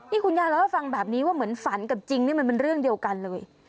นี่คุณยายเล่าให้ฟังแบบนี้ว่าเหมือนฝันกับจริงนี่มันเป็นเรื่องเดียวกันเลย